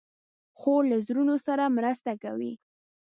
خور له زړونو سره مرسته کوي.